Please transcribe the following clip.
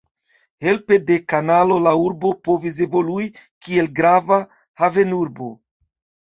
Helpe de kanalo la urbo povis evolui kiel grava havenurbo.